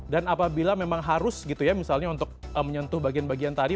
dan apabila memang harus gitu ya misalnya untuk menyentuh bagian bagian tadi